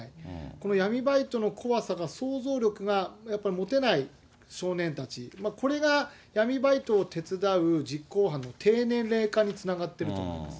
この闇バイトの怖さが、想像力がやっぱり持てない少年たち、これが闇バイトを手伝う実行犯の低年齢化につながってると思いま